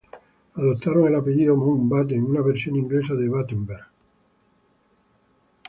Adoptaron el apellido Mountbatten, una versión inglesa de Battenberg.